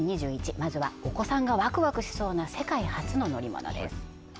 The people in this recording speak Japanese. まずはお子さんがワクワクしそうな世界初の乗り物です